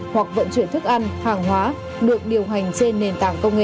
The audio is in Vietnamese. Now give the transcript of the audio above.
hoặc vận chuyển thức ăn hàng hóa được điều hành trên nền tảng công nghệ